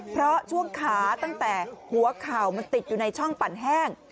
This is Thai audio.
เพราะช่วงขาตั้งแต่หัวเข่ามันติดอยู่ในช่องปั่นแห้ง